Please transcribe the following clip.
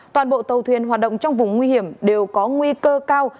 toàn bộ tàu thuyền hoạt động trong vùng nguy hiểm đều có nguy cơ cao